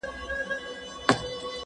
مياشت که يوه ده، ورځي ئې ډېري دي.